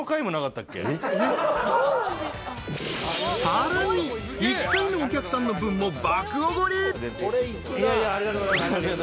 ［さらに１階のお客さんの分も爆おごり］